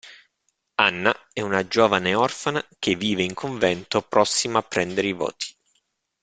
Anna è una giovane orfana che vive in convento, prossima a prendere i voti.